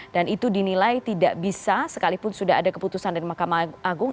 dan itu dinilai tidak bisa sekalipun sudah ada keputusan dari mahkamah agung